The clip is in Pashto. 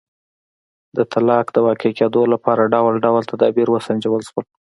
د طلاق د واقع کېدو لپاره ډول ډول تدابیر وسنجول شول.